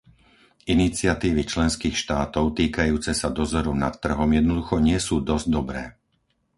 Iniciatívy členských štátov týkajúce sa dozoru nad trhom jednoducho nie sú dosť dobré.